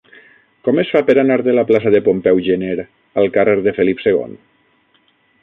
Com es fa per anar de la plaça de Pompeu Gener al carrer de Felip II?